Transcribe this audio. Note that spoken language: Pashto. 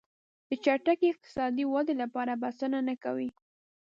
د چټکې اقتصادي ودې لپاره بسنه نه کوي.